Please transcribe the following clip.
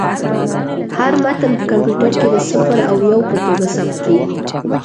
هر متن په کمپیوټر کې د صفر او یو په توګه ثبت کېږي.